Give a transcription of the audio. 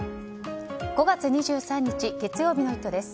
５月２３日、月曜日の「イット！」です。